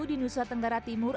di nusa tenggara timur